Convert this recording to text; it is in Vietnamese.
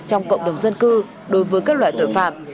trong cộng đồng dân cư đối với các loại tội phạm